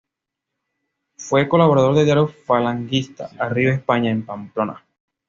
Fue colaborador del diario falangista "Arriba España" de Pamplona.